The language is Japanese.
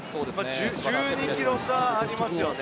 １２ｋｇ差ありますよね。